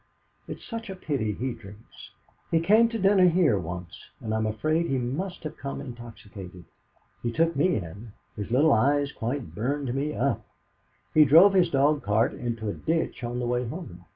"It's such a pity he drinks. He came to dinner here once, and I'm afraid he must have come intoxicated. He took me in; his little eyes quite burned me up. He drove his dog cart into a ditch on the way home.